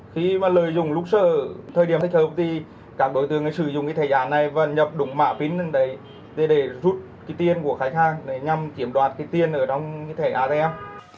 khi mà lợi dụng lúc sơ thời điểm thích hợp thì các đối tượng sẽ sử dụng cái thẻ giá này và nhập đúng mạng phím lên đấy để rút cái tiền của khách hàng để nhằm kiểm đoạt cái tiền ở trong cái thẻ atm